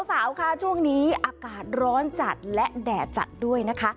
สาวค่ะช่วงนี้อากาศร้อนจัดและแดดจัดด้วยนะคะ